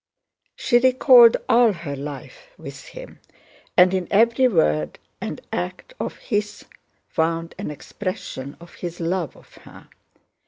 She recalled all her life with him and in every word and act of his found an expression of his love of her.